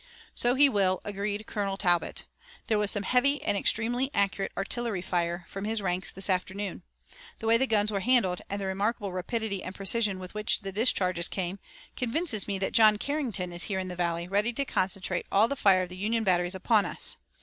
"So he will," agreed Colonel Talbot. "There was some heavy and extremely accurate artillery fire from his ranks this afternoon. The way the guns were handled and the remarkable rapidity and precision with which the discharges came convinces me that John Carrington is here in the valley, ready to concentrate all the fire of the Union batteries upon us.